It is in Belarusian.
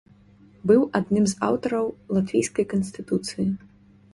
Быў адным з аўтараў латвійскай канстытуцыі.